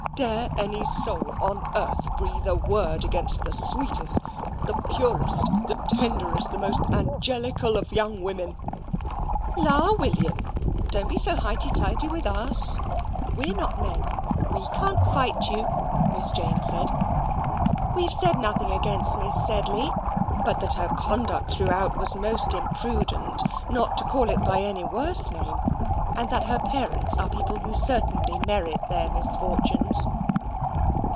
Dare any soul on earth breathe a word against the sweetest, the purest, the tenderest, the most angelical of young women?" "La, William, don't be so highty tighty with US. We're not men. We can't fight you," Miss Jane said. "We've said nothing against Miss Sedley: but that her conduct throughout was MOST IMPRUDENT, not to call it by any worse name; and that her parents are people who certainly merit their misfortunes."